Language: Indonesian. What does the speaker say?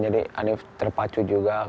jadi hanif terpacu juga